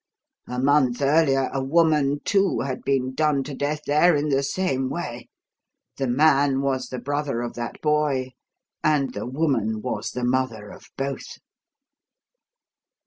A month earlier a woman, too, had been done to death there in the same way. The man was the brother of that boy, and the woman was the mother of both."